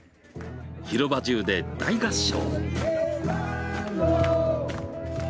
広場中で大合唱。